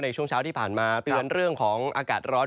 ช่วงเช้าที่ผ่านมาเตือนเรื่องของอากาศร้อน